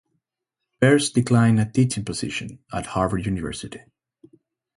Perse declined a teaching position at Harvard University.